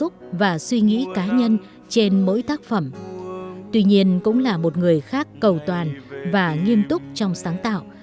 tuy nhiên cũng là một người khác cầu toàn và nghiêm túc trong sáng tạo